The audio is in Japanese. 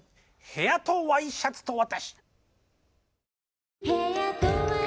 「部屋とＹシャツと私」。